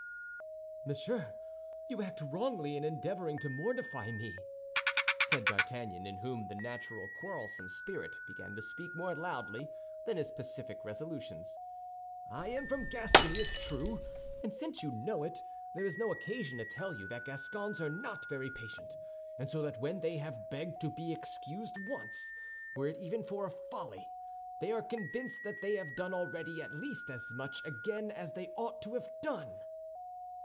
"Monsieur, you act wrongly in endeavoring to mortify me," said D'Artagnan, in whom the natural quarrelsome spirit began to speak more loudly than his pacific resolutions. "I am from Gascony, it is true; and since you know it, there is no occasion to tell you that Gascons are not very patient, so that when they have begged to be excused once, were it even for a folly, they are convinced that they have done already at least as much again as they ought to have done."